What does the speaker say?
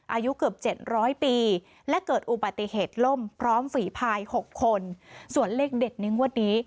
อายุเกือบเจ็ดร้อยปีและเกิดอุบัติเหตุล่มพร้อมฝีภายหกคนส่วนเลขเด็ดในงวดนี้